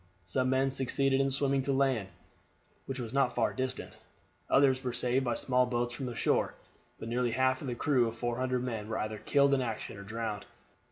Some men succeeded in swimming to land, which was not far distant, others were saved by small boats from the shore, but nearly half of the crew of 400 men were either killed in action or drowned.